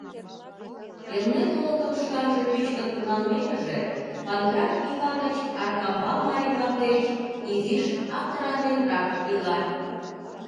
Элнет олыкым шканже пӱчкын налмекыже, Панкрат Иваныч Аркамбал марий-влак деч изиш аптыраненрак ила.